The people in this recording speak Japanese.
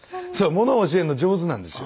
もの教えんの上手なんですよ。